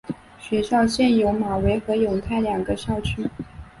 学院现有马尾和永泰两个校区。